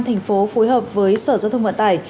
thành phố phối hợp với sở giao thông vận tải